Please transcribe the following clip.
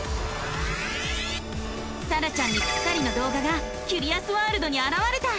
さらちゃんにぴったりの動画がキュリアスワールドにあらわれた！